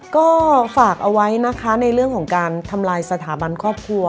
ก็ฝากเอาไว้นะคะในเรื่องของการทำลายสถาบันครอบครัว